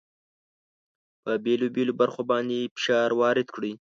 په بېلو بېلو برخو باندې فشار وارد کړئ.